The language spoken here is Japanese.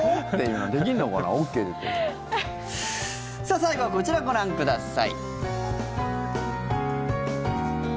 最後は、こちらご覧ください。